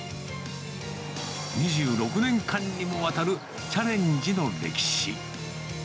２６年間にもわたるチャレンジの歴史。